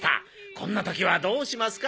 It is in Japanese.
こんな時はどうしますか？